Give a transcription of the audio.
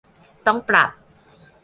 ต้องปรับ